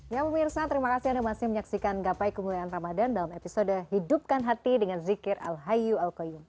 ya pemirsa terima kasih anda masih menyaksikan gapai kemuliaan ramadhan dalam episode hidupkan hati dengan zikir al hayu al qayyum